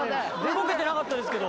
動けてなかったですけど。